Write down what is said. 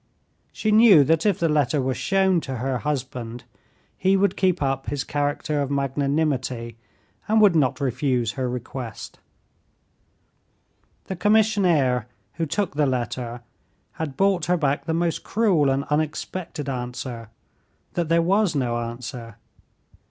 She knew that if the letter were shown to her husband, he would keep up his character of magnanimity, and would not refuse her request. The commissionaire who took the letter had brought her back the most cruel and unexpected answer, that there was no answer.